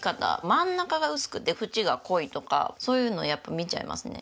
真ん中が薄くて縁が濃いとかそういうのやっぱ見ちゃいますね。